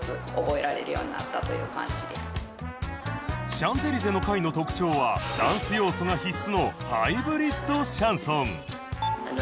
シャンゼリゼの会の特徴はダンス要素が必須のハイブリッドシャンソン